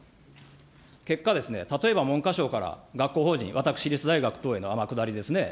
結果、例えば文科省から学校法人、私立大学等への天下りですね。